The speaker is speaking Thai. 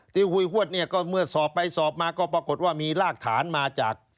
ที่คุยฮวดก็เมื่อสอบไปสอบมาก็ปรากฏว่ามีรากฐานมาจาก